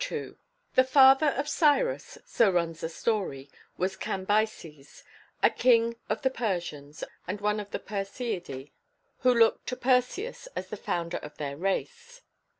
[C.2] The father of Cyrus, so runs the story, was Cambyses, a king of the Persians, and one of the Perseidae, who look to Perseus as the founder of their race.